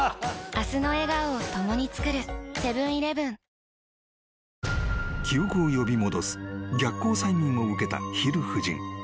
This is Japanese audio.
ニトリ［記憶を呼び戻す逆行催眠を受けたヒル夫人］